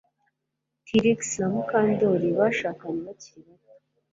Trix na Mukandoli bashakanye bakiri bato